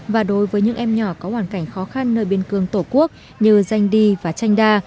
và đối với những em nhỏ có hoàn cảnh khó khăn nơi biên cương tổ quốc như danh đi và tranh đa